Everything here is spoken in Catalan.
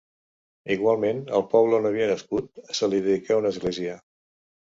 Igualment, al poble on havia nascut, se li dedicà una església.